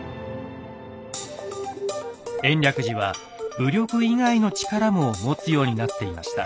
延暦寺は武力以外の力も持つようになっていました。